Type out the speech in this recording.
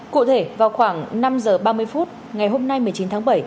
cụ thể vào khoảng năm h ba mươi phút ngày hôm nay một mươi chín tháng bảy